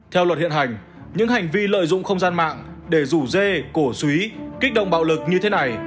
theo luật hiện hành những hành vi lợi dụng không gian mạng để rủ dê cổ suý kích động bạo lực như thế này